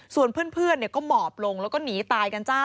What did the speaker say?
ส่วนเพื่อนก็หมอบลงแล้วก็หนีตายกันจ้า